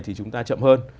thì chúng ta chậm hơn